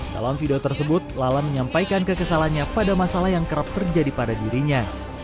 dalam video tersebut lala menyampaikan kekesalannya pada masalah yang kerap terjadi pada dirinya